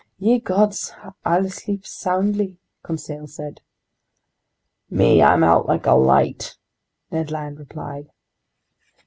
"Ye gods, I'll sleep soundly," Conseil said. "Me, I'm out like a light!" Ned Land replied.